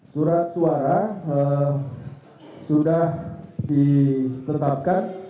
surat suara sudah ditetapkan